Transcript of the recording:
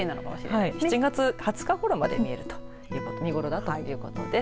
７月２０日ごろまで見れるということです。